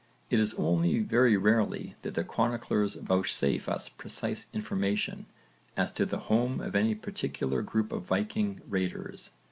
It is only very rarely that the chroniclers vouchsafe us precise information as to the home of any particular group of Viking raiders.